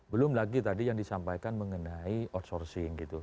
belum lagi tadi yang disampaikan mengenai outsourcing gitu